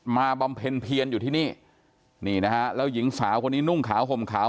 บำเพ็ญเพียรอยู่ที่นี่นี่นะฮะแล้วหญิงสาวคนนี้นุ่งขาวห่มขาว